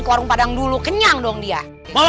kamu harus berhati hati